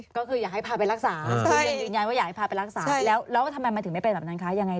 ก็คือแกไม่มา